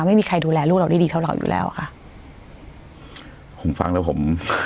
ไม่มีใครดูแลลูกเราได้ดีเท่าเราอยู่แล้วค่ะผมฟังแล้วผม